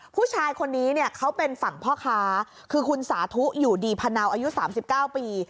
ผู้ชายคนนี้เนี่ยเขาเป็นฝั่งพ่อค้าคือคุณสาธุอยู่ดีพนาวอายุ๓๙ปี